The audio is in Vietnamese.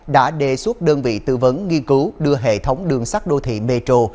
đã đề xuất đơn vị tư vấn nghiên cứu đưa hệ thống đường sắt đô thị metro